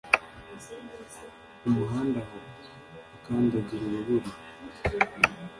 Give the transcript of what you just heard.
umuhanda aho, ukandagira urubura